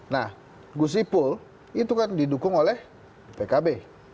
nah gusipul itu kan didukung oleh pkb